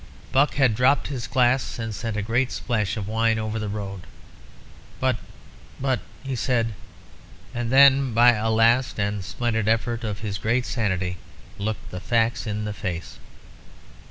Buck had dropped his glass and sent a great splash of wine over the road. "But but " he said; and then by a last and splendid effort of his great sanity, looked the facts in the face.